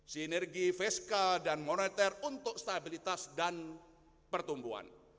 sinergi fiskal dan moneter untuk stabilitas dan pertumbuhan